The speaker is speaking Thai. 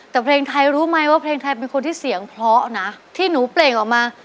แต่เพลงไทยรู้ไหมว่าเพลงไทยเป็นคนที่เสียงเพราะนะที่หนูเปล่งออกมา